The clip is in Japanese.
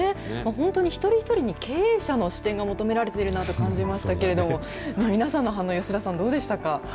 本当に一人一人に経営者の視点が求められているなと感じましたけれども、皆さんの反応、吉田さん、どうでしたか？